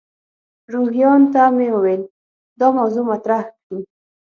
روهیال ته مې وویل دا موضوع مطرح کړي.